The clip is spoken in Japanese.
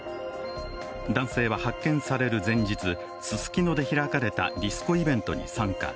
男性は発見される前日ススキノで開かれたディスコイベントに参加。